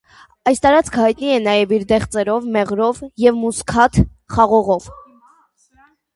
Այս տարածքը հայտնի է նաև իր դեղձերով, մեղրով և մուսքաթ խաղողով։